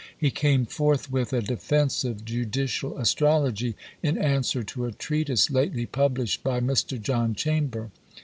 He came forth with "A Defence of Judiciall Astrologye, in answer to a treatise lately published by Mr. John Chamber.